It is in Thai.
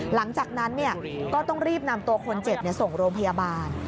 หลังจากนั้นก็ต้องรีบนำตัวคนเจ็บส่งโรงพยาบาล